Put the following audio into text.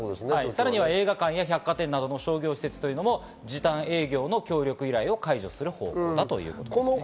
さらには映画館や百貨店などの商業施設も時短営業の協力依頼を解除する方向ということです。